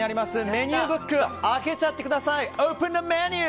メニューブックを開けちゃってください。